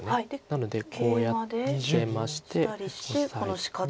なのでこうやってケイマしてオサえて。